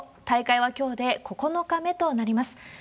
大会はきょうで９日目となります。